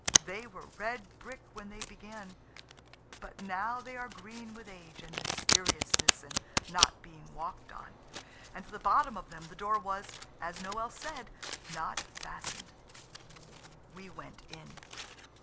They were red brick when they began, but now they are green with age and mysteriousness and not being walked on. And at the bottom of them the door was, as Noël said, not fastened. We went in.